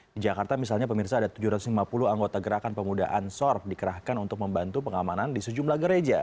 di jakarta misalnya pemirsa ada tujuh ratus lima puluh anggota gerakan pemuda ansor dikerahkan untuk membantu pengamanan di sejumlah gereja